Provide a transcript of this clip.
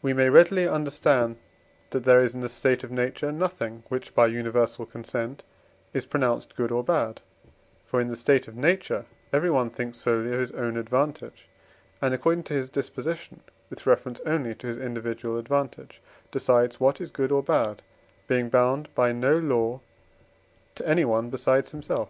We may readily understand that there is in the state of nature nothing, which by universal consent is pronounced good or bad; for in the state of nature everyone thinks solely of his own advantage, and according to his disposition, with reference only to his individual advantage, decides what is good or bad, being bound by no law to anyone besides himself.